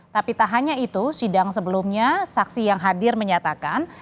tapi tak hanya itu sidang sebelumnya saksi yang hadir menyatakan